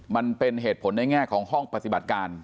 มันเป็นเหตุผลในแง่ของห้องปฏิบัติการ